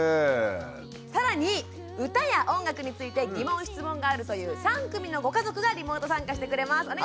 更に歌や音楽について疑問質問があるという３組のご家族がリモート参加してくれます。